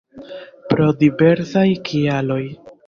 Pro diversaj kialoj.